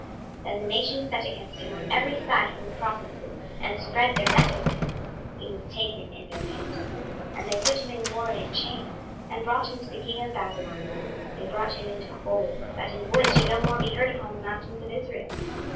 26:019:008 Then the nations set against him on every side from the provinces, and spread their net over him: he was taken in their pit. 26:019:009 And they put him in ward in chains, and brought him to the king of Babylon: they brought him into holds, that his voice should no more be heard upon the mountains of Israel.